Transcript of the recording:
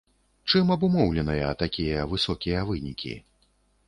Чым абумоўленыя такія высокія вынікі?